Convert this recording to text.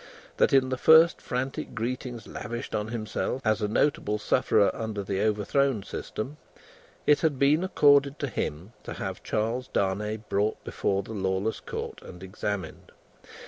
That, in the first frantic greetings lavished on himself as a notable sufferer under the overthrown system, it had been accorded to him to have Charles Darnay brought before the lawless Court, and examined.